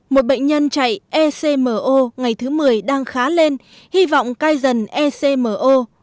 một bệnh nhân chạy ecmo ngày thứ một mươi đang khá lên hy vọng cai dần ecmo